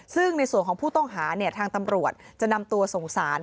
ซึ่งในส่วนของผู้ต้องหาทางตำรวจจะนำตัวส่งสาร